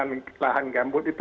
namun apa rasanya menghafal itu